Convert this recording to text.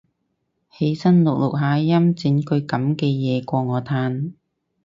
起身錄錄下音整句噉嘅嘢過我嘆